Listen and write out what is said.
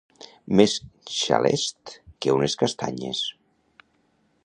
Més xalest que unes castanyetes.